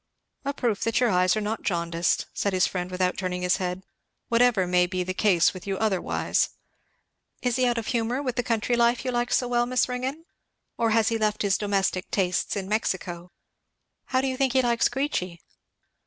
"A proof that your eyes are not jaundiced," said his friend without turning his head, "whatever may be the case with you otherwise. Is he out of humour with the country life you like so well, Miss Ringgan, or has he left his domestic tastes in Mexico? How do you think he likes Queechy?"